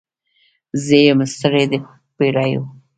زه یم ستړې د پیړیو